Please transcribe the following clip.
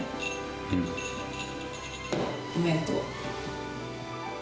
うん。おめでとう。